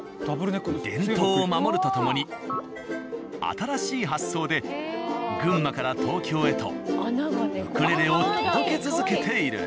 伝統を守るとともに新しい発想で群馬から東京へとウクレレを届け続けている。